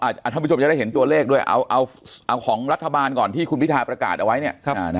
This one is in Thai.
ท่านผู้ชมจะได้เห็นตัวเลขด้วยเอาของรัฐบาลก่อนที่คุณพิทาประกาศเอาไว้เนี่ย